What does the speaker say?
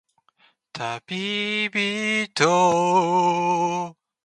たびびと